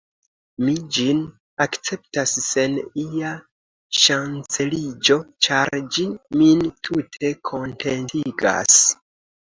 Mi ĝin akceptas sen ia ŝanceliĝo; ĉar ĝi min tute kontentigas.